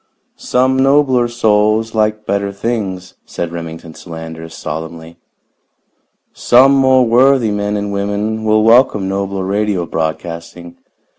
"Some nobler souls like better things," said Remington Solander solemnly. "Some more worthy men and women will welcome nobler radio broadcasting.